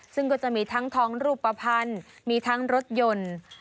ซึ่งก็จะมีทั้งทองรูปภัณฑ์มีทั้งรถยนต์